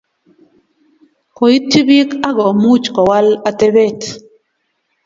Koityi bik akomuch Kowal atebet